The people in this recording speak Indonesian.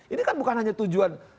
ini kan bukan hanya tujuan